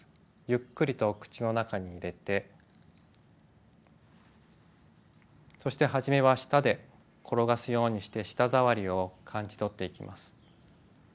ゆっくりと口の中に入れてそしてはじめは舌で転がすようにして舌触りを感じ取っていきます。